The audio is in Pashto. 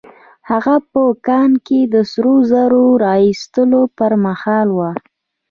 هغه په کان کې د سرو زرو د را ايستلو پر مهال وه.